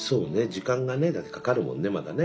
時間がねだってかかるもんねまだね。